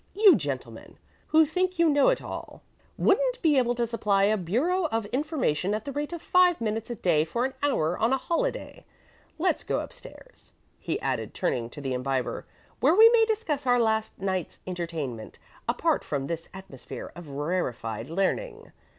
You gentlemen, who think you know it all, wouldn't be able to supply a bureau of information at the rate of five minutes a day for an hour on a holiday. Let's go up stairs," he added, turning to the Imbiber, "where we may discuss our last night's entertainment apart from this atmosphere of rarefied learning.